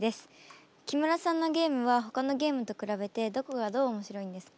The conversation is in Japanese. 木村さんのゲームはほかのゲームと比べてどこがどう面白いんですか？